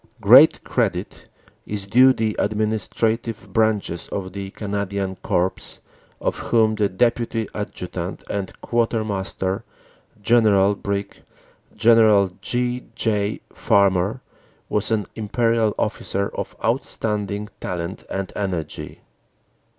Great credit is due the administrative branches of the Canadian Corps of whom the D.A. and Q.M.G., Brig. General G. J. Farmar, was an Imperial officer of outstanding talent and energy.